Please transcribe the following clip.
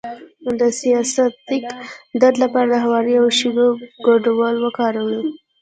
د سیاتیک درد لپاره د هوږې او شیدو ګډول وکاروئ